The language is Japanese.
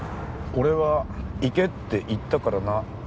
俺は行けって言ったからな。